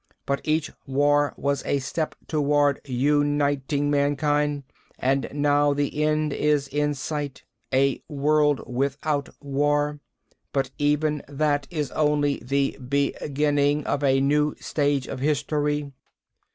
But each war was a step toward uniting mankind. And now the end is in sight: a world without war. But even that is only the beginning of a new stage of history."